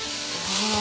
ああ。